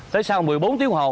tới sau một mươi bốn tiếng hồ